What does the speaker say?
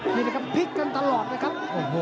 นี่นะครับพลิกกันตลอดนะครับ